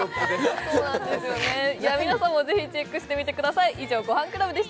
皆さんもぜひチェックしてみてください。